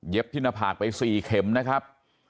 เย็บที่หน้าผากไปสี่เข็มนะครับ